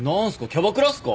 キャバクラっすか？